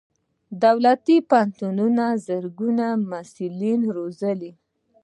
دولتي پوهنتونونه زرګونه محصلین روزي.